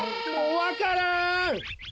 わからん！